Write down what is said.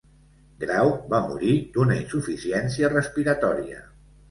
Grau va morir d'una insuficiència respiratòria.